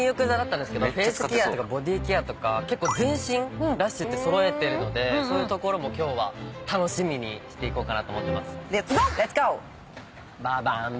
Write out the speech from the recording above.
フェイスケアとかボディーケアとか結構全身ＬＵＳＨって揃えてるのでそういうところも今日は楽しみにしていこうと思ってます。